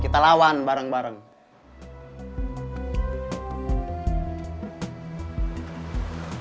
kamu udah bangun